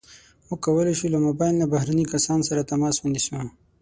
موږ کولی شو له موبایل نه بهرني کسان سره تماس ونیسو.